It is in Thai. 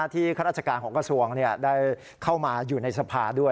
ข้าราชการของกระทรวงได้เข้ามาอยู่ในสภาด้วย